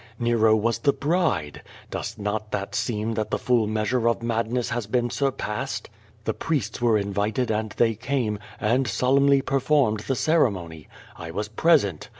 Nero was the l)ride. Does not that seem that the full measure of madness has been surpassed? The priests were invited and they came, and solemnly performed the ceremony. I was present.